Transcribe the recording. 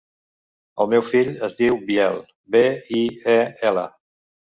El meu fill es diu Biel: be, i, e, ela.